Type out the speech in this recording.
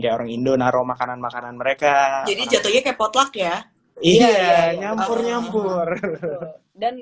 ya orang indonesia makanan makanan mereka jadi jatuhnya kayak potluck ya iya nyamper nyamper dan